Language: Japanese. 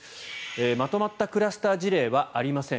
まとまったクラスター事例はありません